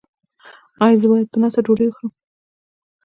ایا زه باید په ناسته ډوډۍ وخورم؟